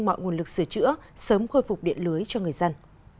mọi nguồn lực sửa chữa sớm khôi phục điện lưới cho người dân